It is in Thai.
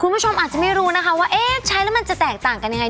คุณผู้ชมอาจจะไม่รู้นะคะว่าเอ๊ะใช้แล้วมันจะแตกต่างกันยังไง